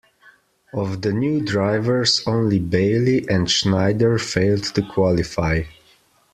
Of the new drivers, only Bailey and Schneider failed to qualify.